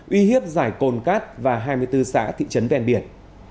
uy hiếp giải cồn cát và hai mươi bốn xã thị trấn ven biển